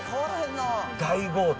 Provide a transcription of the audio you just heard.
大豪邸。